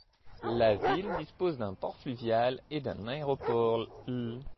La ville dispose d'un port fluvial et d'un aéroport, l'.